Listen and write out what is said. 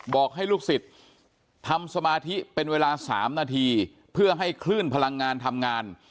บอกให้ลูกศิษย์ทำสมาธิเป็นเวลา๓นาทีเพื่อให้คลื่นพลังงานทำงาน